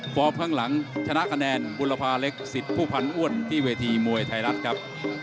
ฟอร์มข้างหลังชนะบุรพาเล็ก๑๐ผู้พันอ้วนที่เวทีมวยไทยรัฐครับ